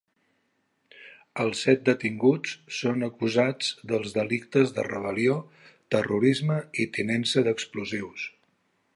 Els set detinguts són acusats dels delictes de rebel·lió, terrorisme i tinença d’explosius.